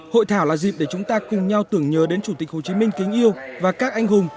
hội thảo là dịp để chúng ta cùng nhau tưởng nhớ đến chủ tịch hồ chí minh kính yêu và các anh hùng